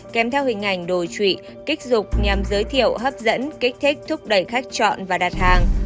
các đối tượng có hình ảnh đồ trụy kích dục nhằm giới thiệu hấp dẫn kích thích thúc đẩy khách chọn và đặt hàng